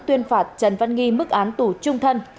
tuyên phạt trần văn nghi mức án tù trung thân